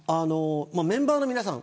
メンバーの皆さん